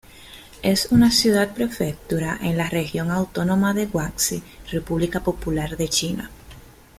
Es una ciudad-prefectura en la región autónoma de Guangxi, República Popular de China.